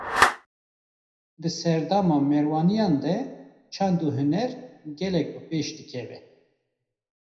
Di serdema Merwaniyan de çand û huner, gelek bi pêş dikeve